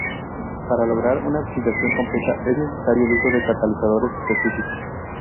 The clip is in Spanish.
Para lograr una oxidación completa es necesario el uso de catalizadores específicos.